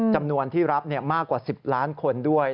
จำนวนที่รับมากกว่า๑๐ล้านคนด้วย